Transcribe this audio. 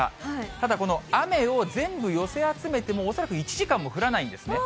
ただ、この雨を全部寄せ集めても、恐らく１時間も降らないんですね。